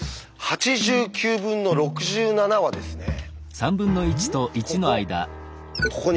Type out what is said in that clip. ８９分の６７はですねここ。